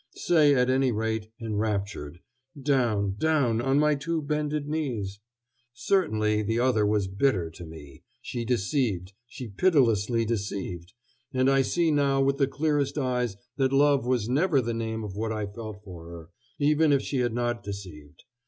say, at any rate, enraptured, down, down, on my two bended knees. Certainly, the other was bitter to me she deceived, she pitilessly deceived; and I see now with the clearest eyes that love was never the name of what I felt for her, even if she had not deceived.